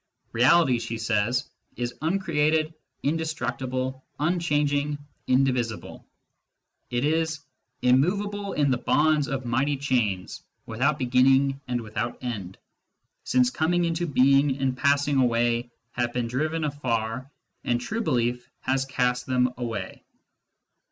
Reality, she says, is uncreated, indestructible, unchanging, indivisible ; it is " immovable in the bonds of mighty chains, without beginning and without end ; since coming into being and passing away have been driven afar, and true belief has cast them away."